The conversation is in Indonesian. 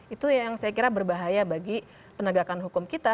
itu yang saya kira berbahaya bagi penegakan hukum kita